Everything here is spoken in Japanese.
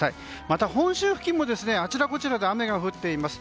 また、本州付近もあちらこちらで雨が降っています。